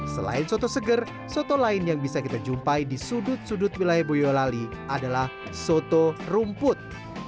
selain soto seger soto lain yang bisa kita jumpai di sudut sudut wilayah boyolali adalah soto rumput